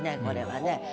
これはね。